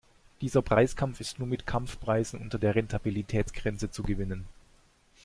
Dieser Preiskampf ist nur mit Kampfpreisen unter der Rentabilitätsgrenze zu gewinnen.